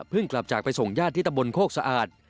เพิ่งกลับจากไปส่งญาติที่ตะมนต์โครกสะอาด